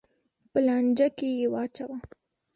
په لانجه کې یې واچوه.